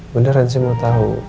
beneran sih mau tau